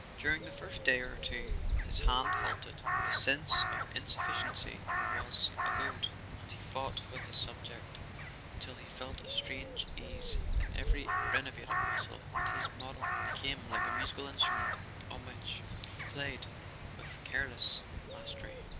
During the first day or two his hand halted; but the sense of insufficiency was a goad, and he fought with his subject till he felt a strange ease in every renovated muscle, and his model became like a musical instrument on which he played with careless mastery.